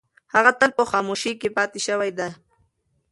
هغه تل په خاموشۍ کې پاتې شوې ده.